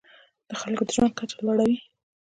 د خلکو د ژوند کچه لوړوي.